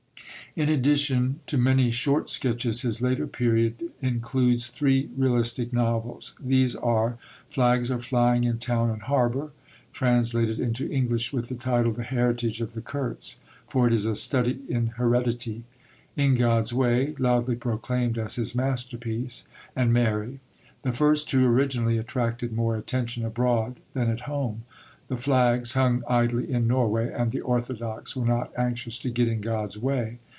In addition to many short sketches, his later period includes three realistic novels. These are: Flags Are Flying in Town and Harbour, translated into English with the title, The Heritage of the Kurts, for it is a study in heredity; In God's Way, loudly proclaimed as his masterpiece, and Mary. The first two originally attracted more attention abroad than at home. The Flags hung idly in Norway, and the orthodox were not anxious to get in God's way.